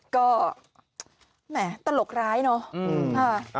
อ๋อก็แหมตลกร้ายเนอะ